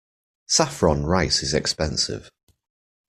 Saffron rice is expensive.